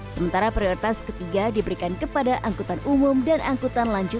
sementara prioritas ketiga diberikan kepada angkutan umum dan angkutan lanjut